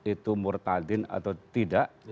itu murtadin atau tidak